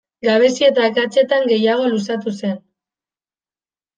Gabezi eta akatsetan gehiago luzatu zen.